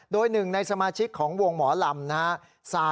โดยหนึ่งในสมาชิกของวงหมอลำ